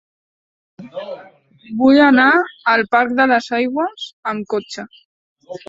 Vull anar al parc de les Aigües amb cotxe.